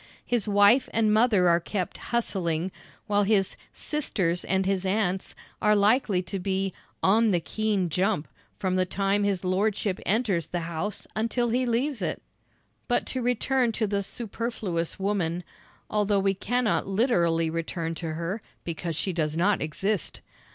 His wife and mother are kept "hustling," while his "sisters and his aunts" are likely to be "on the keen jump" from the time his lordship enters the house until he leaves it! But to return to the "superfluous woman," although we cannot literally return to her because she does not exist.